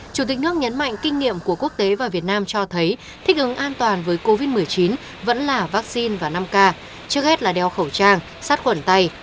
chủ tịch nước nhấn mạnh kinh nghiệm của quốc tế và việt nam cho thấy thích ứng an toàn với covid một mươi chín vẫn là vaccine và năm k trước hết là đeo khẩu trang sát khuẩn tay